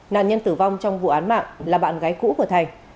nạn nhân tử vong trong vụ án mạng là bạn gái cũ của thành